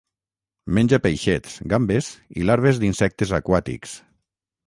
Menja peixets, gambes i larves d'insectes aquàtics.